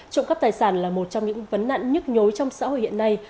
trộm cắp tài sản là một trong những vấn nạn nhức nhối trong xã hội hiện nay